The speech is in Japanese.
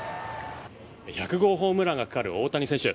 １００号ホームランがかかる大谷選手。